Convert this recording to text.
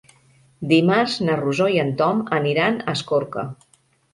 Dimarts na Rosó i en Tom aniran a Escorca.